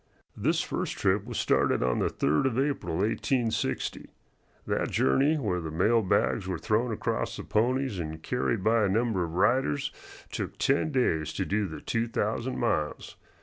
This first trip was started on the 3d of April, 1860. That journey, where the mail bags were thrown across the ponies and carried by a number of riders, took ten days to do the two thousand miles.